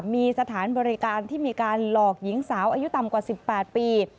มีสถานบริการที่มีการหลอกหญิงสาวอายุต่ำกว่า๑๘ปี